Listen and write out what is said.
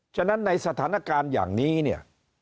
ฉะนั้นในสถานการณ์อย่างนี้เนี่ย